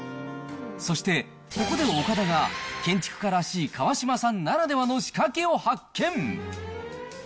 そして、ここで岡田が建築家らしい川島さんならではの仕掛けを発見。